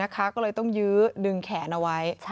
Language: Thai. ก็เลยต้องยื้อดึงแขนเอาไว้